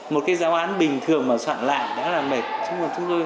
một cái giáo án bình thường mà soạn lại đó là mệt